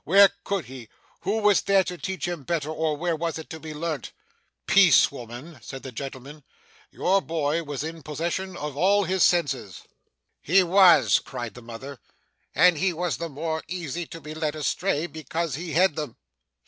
where could he? who was there to teach him better, or where was it to be learnt?' 'Peace, woman,' said the gentleman, 'your boy was in possession of all his senses.' 'He was,' cried the mother; 'and he was the more easy to be led astray because he had them.